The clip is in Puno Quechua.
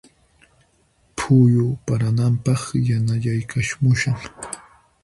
Phuyu parananpaq yanayaykamushan.